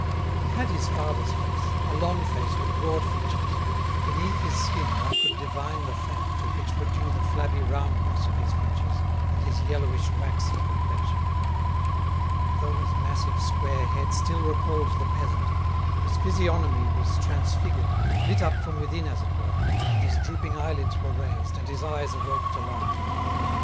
He had his father's face, a long face with broad features; beneath his skin one could divine the fat to which were due the flabby roundness of his features, and his yellowish, waxy complexion. Though his massive square head still recalled the peasant, his physiognomy was transfigured, lit up from within as it were, when his drooping eyelids were raised and his eyes awoke to life.